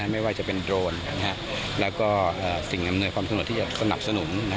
ไม่ว่าจะเป็นโดรนแล้วก็สิ่งอำนวยความสะดวกที่จะสนับสนุน